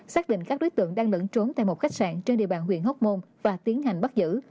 xác định các đối tượng đang lẫn trốn tại một khách sạn trên địa bàn huyện hóc môn và tiến hành bắt giữ